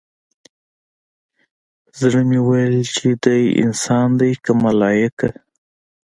زړه مې ويل چې دى انسان دى که ملايک.